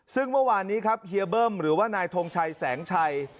ซึ่งเมื่อวานนี้ครับเฮียเบิ้มหรือว่านายทงชัยแสงชัย